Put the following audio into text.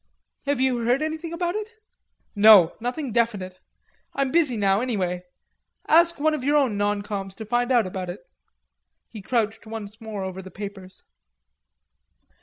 "Have you heard anything about it?" "No, nothing definite. I'm busy now anyway. Ask one of your own non coms to find out about it." He crouched once more over the papers.